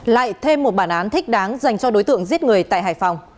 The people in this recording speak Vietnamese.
lại thêm một bản án thích đáng dành cho đối tượng giết người tại hải phòng